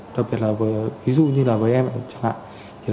đặc biệt là với em chẳng hạn